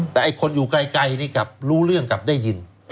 แต่คนอยู่ไกลนี่กลับรู้เรื่องกลับได้ยิน